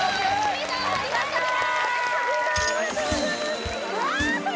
ありがとうございます